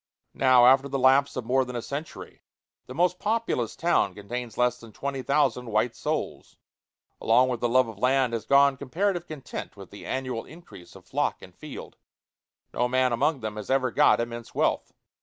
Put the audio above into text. Now, after the lapse of more than a century, the most populous town contains less than twenty thousand white souls. Along with the love of land has gone comparative content with the annual increase of flock and field. No man among them has ever got immense wealth.